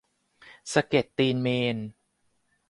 สะเก็ดตีนเมรุ